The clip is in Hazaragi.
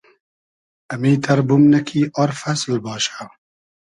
امیتئر بومنۂ کی آر فئسل باشہ